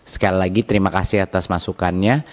sekali lagi terima kasih atas masukannya